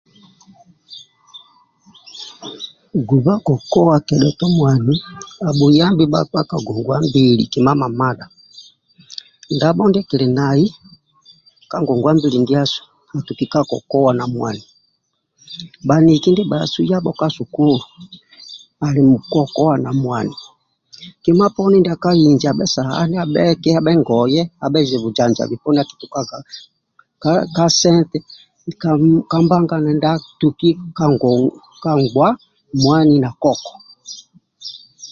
guba kokowa kedhatu mwani abuyambi bakpa ndi ba ka ngongwabili kima mamdha ndabo ndikili nai ka ngongwambili ndiasu atuki ka kokowa na mwani baniki ndibasu yabo ka sukulu ali kokowa na mwani kima poni ndia ka inji abe sahan abe ki abe ngoye abe bujanjabi poni akitukaga ka sente ka mbangana ndia tuki ka nguwa koko na mwani